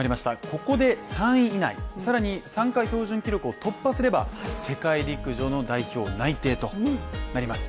ここで３位以内さらに参加標準記録を突破すれば、世界陸上の代表内定となります。